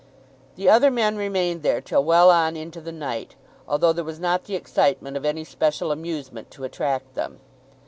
The other men remained there till well on into the night, although there was not the excitement of any special amusement to attract them.